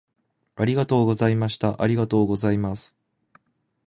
ありがとうございました。ありがとうございます。